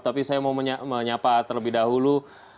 tapi saya mau menyapa terlebih dahulu